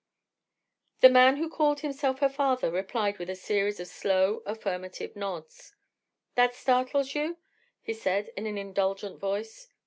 The man who called himself her father replied with a series of slow, affirmative nods. "That startles you?" he said in an indulgent voice.